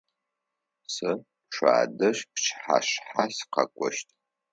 Сэ шъуадэжь пчыхьашъхьэ сыкъэкӏощт.